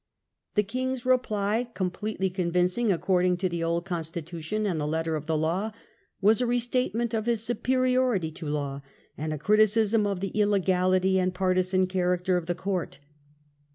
The king's reply, completely convincing according to the old consti tution, and the letter of the law, was a restatement of his superiority to law and a criticism of the illegality and partisan character of the court.